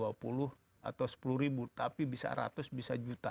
tapi bisa ratus bisa juta jadi lihat ini bisa berapa banyak juta